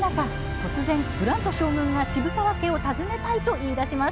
突然、グラント将軍が渋沢家を訪ねたいと言いだします。